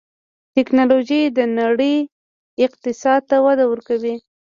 ټکنالوجي د نړۍ اقتصاد ته وده ورکوي.